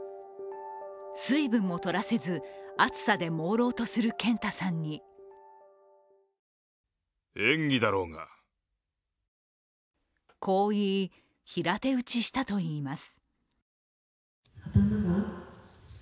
水分もとらせず、暑さでもうろうとする剣太さんにこう言い、平手打ちしたといいます。